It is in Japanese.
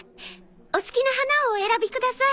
お好きな花をお選びください。